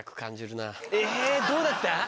えどうだった？